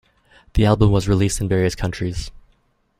The album was released in various countries.